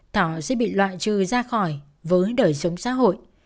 họ sẽ bị loại trừ ra khỏi với đời sống xã hội